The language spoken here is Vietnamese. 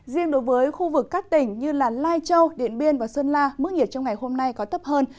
riêng đối với khu vực các tỉnh như lai châu điện biên và sơn la mức nhiệt trong ngày hôm nay có thấp hơn